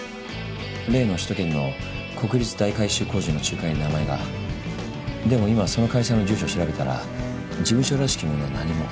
例の首都圏の国立大改修工事の仲介に名前でも今その会社の住所調べたら事務所らしきものは何も。